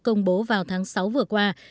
công bố vào tháng sáu vừa qua